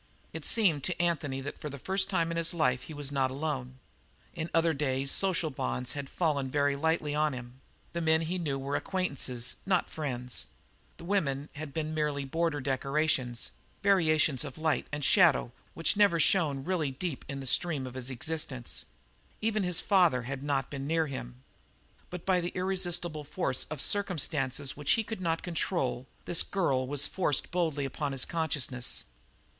It seemed to Anthony that for the first time in his life he was not alone. In other days social bonds had fallen very lightly on him; the men he knew were acquaintances, not friends; the women had been merely border decorations, variations of light and shadow which never shone really deep into the stream of his existence; even his father had not been near him; but by the irresistible force of circumstances which he could not control, this girl was forced bodily upon his consciousness.